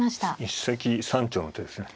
一石三鳥の手ですね。